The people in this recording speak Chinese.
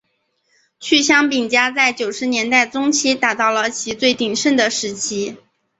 趣香饼家在九十年代中期达到了其最鼎盛的时期。